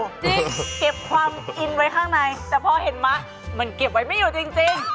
จริงเก็บความอินไว้ข้างในแต่พอเห็นมะมันเก็บไว้ไม่อยู่จริง